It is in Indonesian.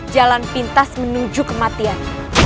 jalan pintas menuju kematian